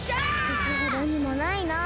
くちほどにもないなあ。